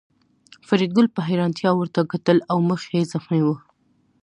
فریدګل په حیرانتیا ورته کتل او مخ یې زخمي و